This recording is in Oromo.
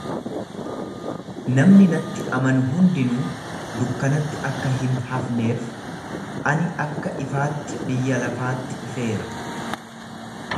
Namni natti amanu hundinuu dukkanatti akka hin hafneef, ani akka ifaatti biyya lafaatti dhufeera.